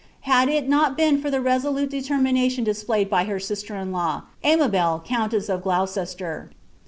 Ind it not been for the reaolnie detenninalion displayed by her sist«T in U«, Aimabel, countess of Gloucesier.